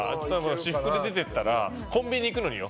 私服で出て行ったらコンビニに行くのによ